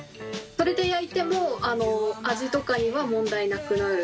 それで焼いても味とかには問題なくなる？